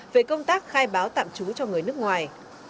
về công tác khai báo tạm trú cho người nước ngoài